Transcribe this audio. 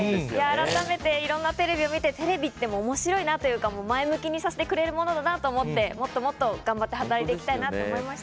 いろんなテレビを見てテレビって前向きにさせてくれるものだなと思ってもっともっと働いていきたいなと思いました。